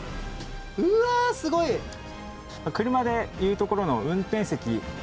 うわー、車でいうところの運転席。